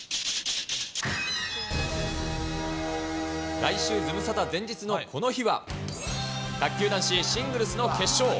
来週ズムサタ前日のこの日は、卓球男子シングルスの決勝。